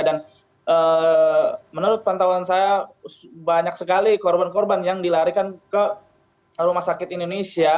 dan menurut pantauan saya banyak sekali korban korban yang dilarikan ke rumah sakit indonesia